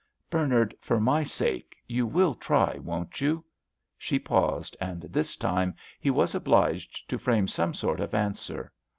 "Bernard, for my sake, you will try, won't you?" She paused, and this time he was obliged to frame some sort of answer.